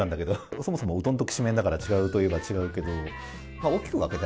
そもそも、うどんときしめんだから違うといえば違うけど。